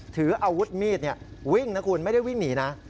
ถืออาวุธมีดวิ่งนะคุณไม่ได้วิ่งหนีนะ